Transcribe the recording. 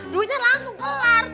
duitnya langsung kelar